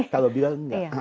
kalau bilal enggak